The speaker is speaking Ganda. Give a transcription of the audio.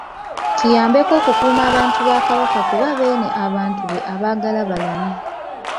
Kiyambeko okukuuma abantu ba Kabaka kuba Beene abantu be abaagala balamu.